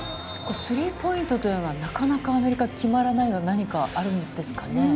スリーポイントはなかなかアメリカが決まらないのは何かあるんですか？